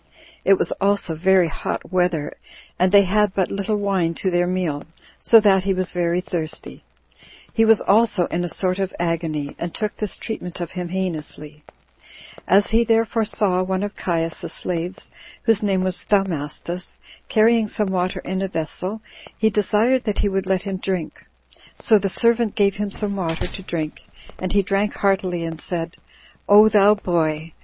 It was also very hot weather, and they had but little wine to their meal, so that he was very thirsty; he was also in a sort of agony, and took this treatment of him heinously: as he therefore saw one of Caius's slaves, whose name was Thaumastus, carrying some water in a vessel, he desired that he would let him drink; so the servant gave him some water to drink, and he drank heartily, and said, "O thou boy!